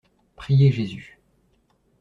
Prier Jésus.